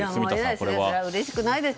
それはうれしくないです。